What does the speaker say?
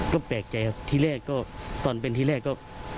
ก็แปลกใจครับที่แรกก็ตอนเป็นที่แรกก็